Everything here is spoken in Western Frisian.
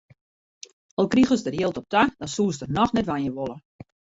Al krigest der jild op ta, dan soest der noch net wenje wolle.